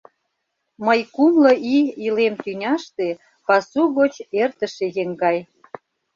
Мый кумло ий илем тӱняште Пасу гоч эртыше еҥ гай.